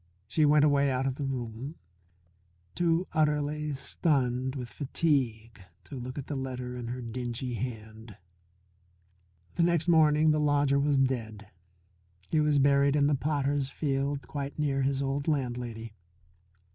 She went away out of the room, too utterly stunned with fatigue to look at the letter in her dingy hand. The next morning the lodger was dead. He was buried in the potters' field quite near his old landlady.